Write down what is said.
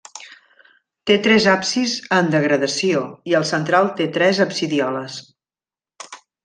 Té tres absis en degradació i el central té tres absidioles.